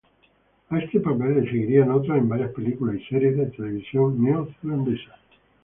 A este papel le seguirían otros en varias películas y series de televisión neozelandesas.